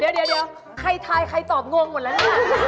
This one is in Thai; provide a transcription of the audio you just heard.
เดี๋ยวใครทายใครตอบงงหมดแล้วเนี่ย